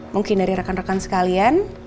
mungkin dari rekan rekan sekalian